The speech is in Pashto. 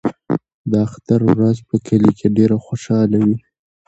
د اختر ورځ په کلي کې ډېره خوشحاله وي.